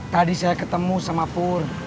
tadi saya ketemu sama pur